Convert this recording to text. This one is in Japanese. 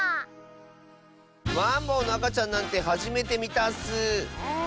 マンボウのあかちゃんなんてはじめてみたッスー。